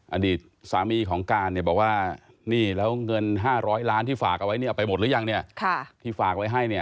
อดีตสามีของการเนี่ยบอกว่านี่แล้วเงิน๕๐๐ล้านที่ฝากเอาไว้เนี่ยเอาไปหมดหรือยังเนี่ยที่ฝากไว้ให้เนี่ย